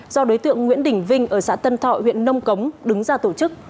do đối tượng nguyễn đình vinh ở xã tân thọ huyện nông cống đứng ra tổ chức